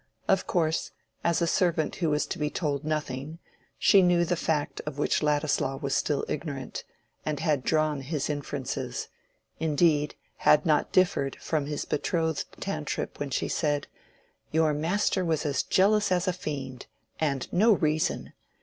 Of course, as a servant who was to be told nothing, he knew the fact of which Ladislaw was still ignorant, and had drawn his inferences; indeed, had not differed from his betrothed Tantripp when she said, "Your master was as jealous as a fiend—and no reason.